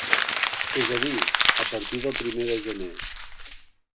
És a dir, a partir del primer de gener.